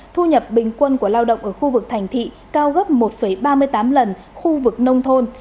thu nhập bình quân của lao động ở khu vực thành thị cao gấp một ba mươi tám lần khu vực nông thôn